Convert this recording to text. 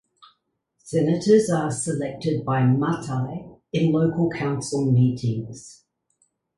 Senators are selected by matai in local council meetings.